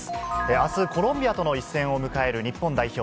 あす、コロンビアとの一戦を迎える日本代表。